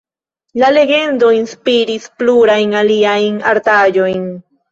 La legendo inspiris plurajn aliajn artaĵojn.